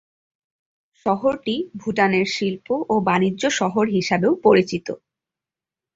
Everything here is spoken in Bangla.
শহরটি ভুটানের শিল্প ও বাণিজ্য শহর হিসাবেও পরিচিত।